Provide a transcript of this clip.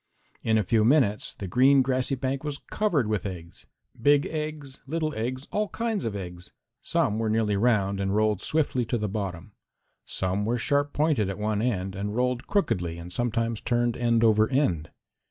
In a few minutes the green grassy bank was covered with eggs big eggs, little eggs, all kinds of eggs. Some were nearly round and rolled swiftly to the bottom. Some were sharp pointed at one end and rolled crookedly and sometimes turned end over end.